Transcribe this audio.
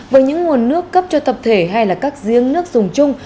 với những nguồn nước cấp cho tập thể hay là các giếng nước dùng chung